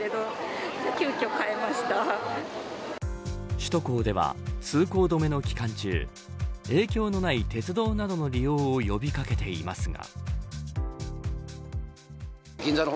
首都高では、通行止めの期間中影響のない鉄道などの利用を呼び掛けていますが。